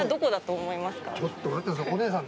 ちょっと待ってくださいお姉さん。